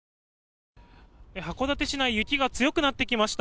函館市内雪が強くなってきました。